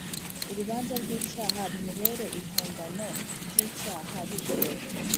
Urubanza rw icyaha bimubere imponganob y icyaha bityo